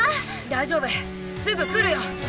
大丈夫すぐ来るよ！